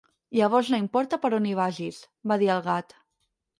"Llavors no importa per on hi vagis" va dir el Gat.